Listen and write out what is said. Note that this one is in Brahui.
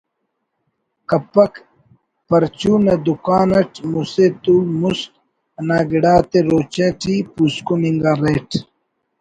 کپک پرچون نا دکان اٹ مسہ تو مست انا گڑاتے روچہ ٹی پوسکن انگا ریٹ